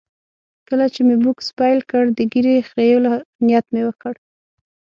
کله چې مې بوکس پیل کړ، د ږیرې خریلو نیت مې وکړ.